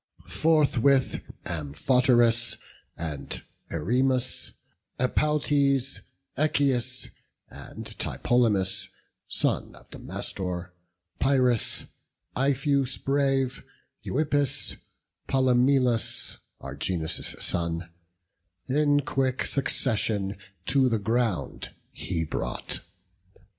Forthwith Amphoterus, and Erymas, Epaltes, Echius, and Tlepolemus, Son of Damastor, Pyris, Ipheus brave, Euippus, Polymelus, Argeas' son, In quick succession to the ground he brought.